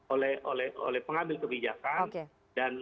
untuk mengambil kebijakan